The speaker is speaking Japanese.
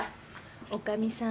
女将さん